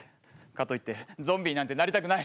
かといってゾンビになんてなりたくない。